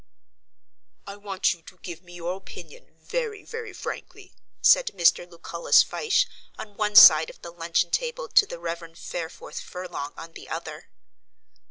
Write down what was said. "I want you to give me your opinion very, very frankly," said Mr. Lucullus Fyshe on one side of the luncheon table to the Rev. Fareforth Furlong on the other.